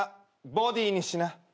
ボディーにしな。